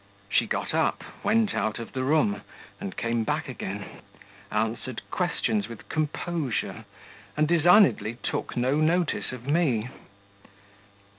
She got up, went out of the room, and came back again, answered questions with composure, and designedly took no notice of me.